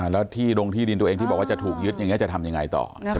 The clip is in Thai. แล้วที่ดงที่ดินตัวเองที่บอกว่าจะถูกยึดอย่างนี้จะทำยังไงต่อ